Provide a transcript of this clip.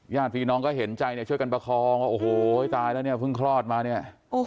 ญาติพี่น้องก็เห็นใจเนี่ยช่วยกันประคองว่าโอ้โหตายแล้วเนี่ยเพิ่งคลอดมาเนี่ย